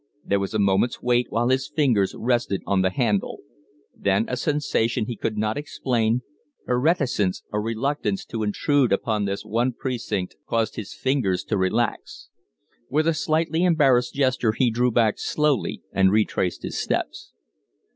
There was a moment's wait while his fingers rested on the handle; then a sensation he could not explain a reticence, a reluctance to intrude upon this one precinct caused his, fingers to relax. With a slightly embarrassed gesture he drew back slowly and retraced his steps.